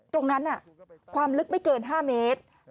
ตรงนั้นความลึกไม่เกิน๕เมตร